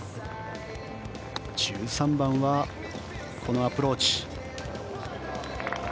１３番は、このアプローチ。